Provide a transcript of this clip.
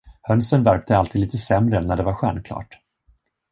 Hönsen värpte alltid lite sämre när det var stjärnklart.